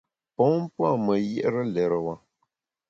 Pon pua’ me yié’re lérewa.